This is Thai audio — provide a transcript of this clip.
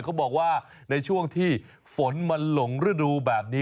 เขาบอกว่าในช่วงที่ฝนมันหลงฤดูแบบนี้